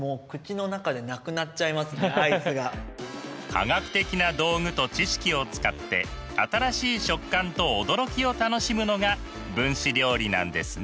科学的な道具と知識を使って新しい食感と驚きを楽しむのが分子料理なんですね。